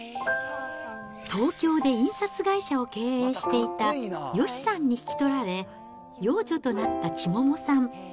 東京で印刷会社を経営していたヨシさんに引き取られ、養女となった千桃さん。